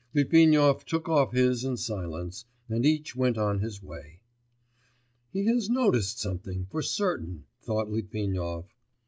Litvinov took off his in silence, and each went on his way. 'He has noticed something, for certain!' thought Litvinov.